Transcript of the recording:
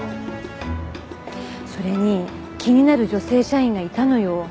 それに気になる女性社員がいたのよ。